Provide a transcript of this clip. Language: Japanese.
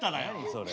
それ。